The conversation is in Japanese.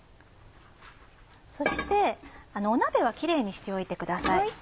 そして鍋はキレイにしておいてください。